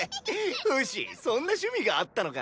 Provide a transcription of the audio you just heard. フシそんな趣味があったのか！！